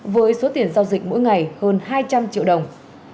với số tiền giao dịch mỗi ngày hơn hai trăm linh triệu đồng